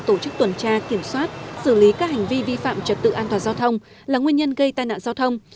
tổ chức tuần tra kiểm soát xử lý các hành vi vi phạm trật tự an toàn giao thông là nguyên nhân gây tai nạn giao thông